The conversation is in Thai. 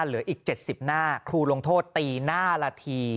เหลืออีก๗๐หน้าครูลงโทษตีหน้าละที